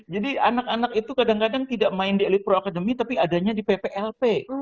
jadi anak anak itu kadang kadang tidak main di elite pro academy tapi adanya di pplp